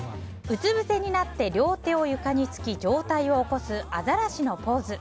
うつぶせになって両手を床につき上体を起こす、アザラシのポーズ。